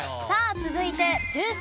さあ続いて中３